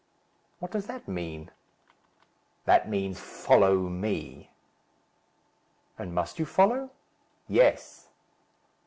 "What does that mean?" "That means, follow me." "And must you follow?" "Yes."